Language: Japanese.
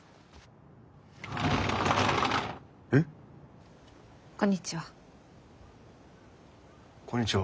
えっ？こんにちは。